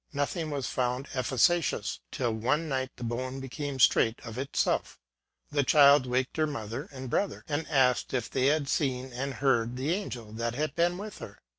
Nothing was found efficacious, till one night the bone became straight of itself. The child waked her mother and brother, and asked if they had seen and heard the angel that had been with her